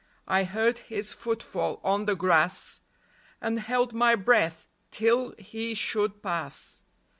I heard his foot fall on the grass, And held my breath till he should pass.